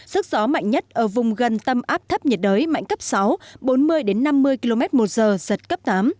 sức gió mạnh nhất ở vùng gần tâm áp thấp nhiệt đới mạnh cấp sáu bốn mươi năm mươi km một giờ giật cấp tám